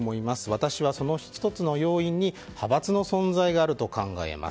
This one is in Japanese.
私はその１つの要因に派閥の存在があると考えます。